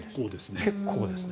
結構ですね。